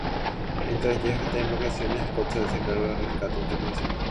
Mientras Jeff está en unas vacaciones, Scott se hace cargo de Rescate Internacional.